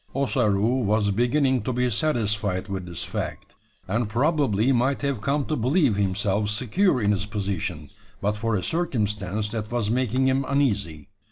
Ossaroo was beginning to be satisfied with this fact; and probably might have come to believe himself secure in his position, but for a circumstance that was making him uneasy.